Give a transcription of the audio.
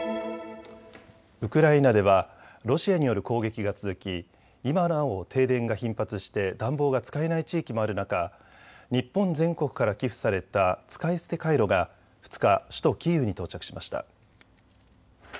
ウクライナではロシアによる攻撃が続き今なお停電が頻発して暖房が使えない地域もある中、日本全国から寄付された使い捨てカイロが２日、首都キーウに到着しました。